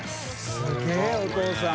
すげぇお父さん。